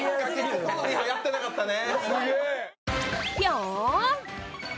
ここのリハやってなかったね。